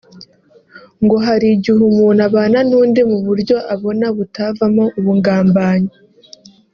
ngo hari igihe umuntu abana n’undi mu buryo abona butavamo ubungambanyi